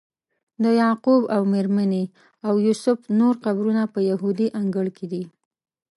د یعقوب او میرمنې او یوسف نور قبرونه په یهودي انګړ کې دي.